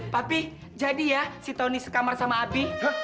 papi jadi ya si tony sekamar sama abi